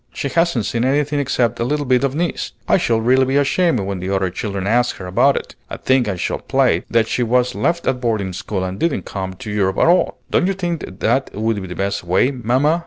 "She hasn't seen anything except a little bit of Nice. I shall really be ashamed when the other children ask her about it. I think I shall play that she was left at boarding school and didn't come to Europe at all! Don't you think that would be the best way, mamma?"